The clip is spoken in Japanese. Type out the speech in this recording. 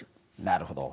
なるほど。